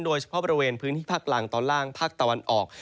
โดยเฉพาะบริเวณพื้นที่ภาคล่างตอนล่างภาคตะวันออก